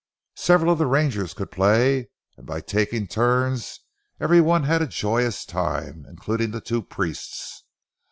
Several of the rangers could play, and by taking turns every one had a joyous time, including the two priests.